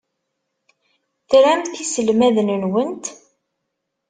Tramt iselmaden-nwent?